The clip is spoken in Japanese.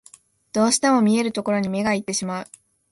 どうしても見えるところに目がいってしまう